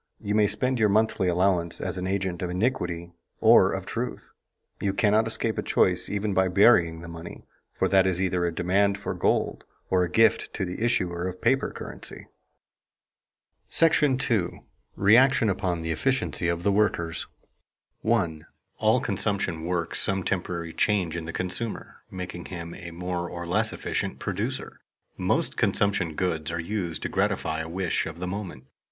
You may spend your monthly allowance as an agent of iniquity or of truth. You cannot escape a choice even by burying the money, for that is either a demand for gold or a gift to the issuer of paper currency. § II. REACTION UPON THE EFFICIENCY OF THE WORKERS [Sidenote: Instinctive choice as related to welfare] 1. All consumption works some temporary change in the consumer, making him a more or less efficient producer. Most consumption goods are used to gratify a wish of the moment.